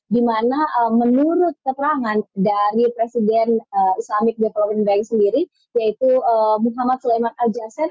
di mana menurut keterangan dari presiden islamic development bank sendiri yaitu muhammad sulaiman al jassen